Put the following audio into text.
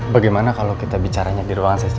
bagaimana kalo kita bicaranya di ruangan saya sih